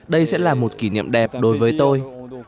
đây sẽ là một kỷ niệm đẹp đối với tôi